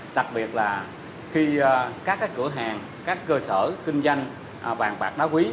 đặc biệt là khi các cái cửa hàng các cơ sở kinh doanh bàn bạc đá quý